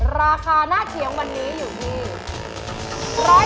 ราคาหน้าเคียงวันนี้อยู่ที่